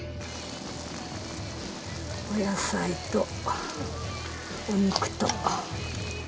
お野菜とお肉と。